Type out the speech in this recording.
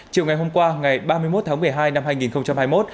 chiều ngày hôm qua ngày ba mươi một tháng một mươi hai năm hai nghìn hai mươi một